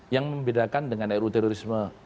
yang membedakan dengan ru terorisme